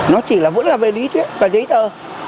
nó chỉ là vẫn là về lý thuyết và giấy tờ